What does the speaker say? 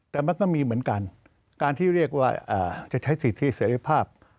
แต่มันก็มีเหมือนกันการที่เรียกว่าจะใช้สิทธิเสรีภาพ